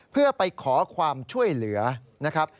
เพื่อไปขอความช่วยเหลือนะครับ